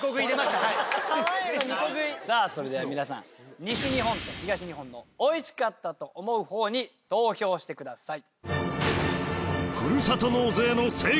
さぁそれでは皆さん西日本と東日本のおいしかったと思う方に投票してください。